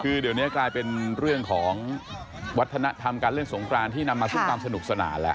คือเดี๋ยวนี้กลายเป็นเรื่องของวัฒนธรรมการเล่นสงกรานที่นำมาซึ่งความสนุกสนานแล้ว